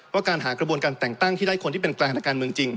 การหากระบวนการแต่งตั้งที่ได้คนที่เป็นกลางทางการเมืองจริง